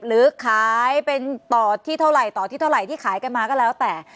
หรือขายเป็นต่อที่เท่าไหร่ต่อที่เท่าไหร่ที่ขายกันมาก็แล้วแต่